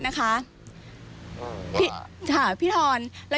สวัสดีครับ